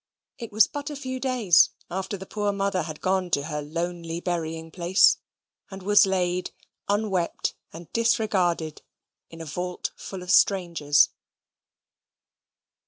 It was but a few days after the poor mother had gone to her lonely burying place; and was laid, unwept and disregarded, in a vault full of strangers.